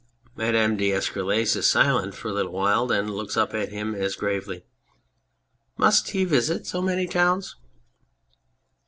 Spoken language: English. MADAME D'ESCUROLLES (is silent for a little while and then looks up at him as gravely}. Must he visit so many towns